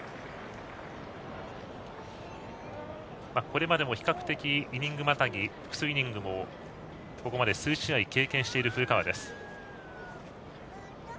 これまでも比較的イニングまたぎ複数イニングも、ここまで数試合経験している古川です。